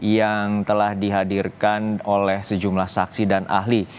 yang telah dihadirkan oleh sejumlah saksi dan ahli